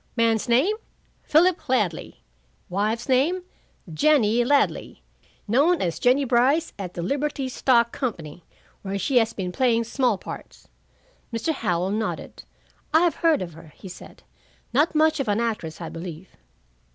Man's name, Philip Ladley. Wife's name, Jennie Ladley, known as Jennie Brice at the Liberty Stock Company, where she has been playing small parts.'" Mr. Howell nodded. "I've heard of her," he said. "Not much of an actress, I believe."